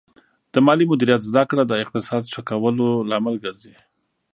د مالي مدیریت زده کړه د اقتصاد ښه کولو لامل ګرځي.